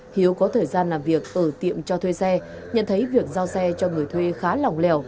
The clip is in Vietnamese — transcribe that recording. hiếu có thời gian làm việc ở tiệm cho thuê xe nhận thấy việc giao xe cho người thuê khá lỏng lẻo